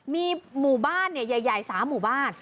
มีหมู่บ้านเนี่ยใหญ่สามหมู่บ้าน